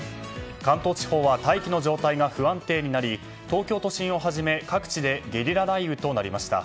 関東地方は大気の状態が不安定になり東京都心をはじめ各地でゲリラ雷雨となりました。